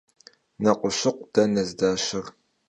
Hekhuşıkhu dene zdaşer?